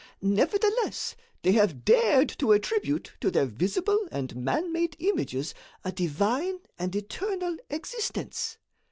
Nevertheless, they have dared to attribute to their visible and man made images a divine and eternal existence.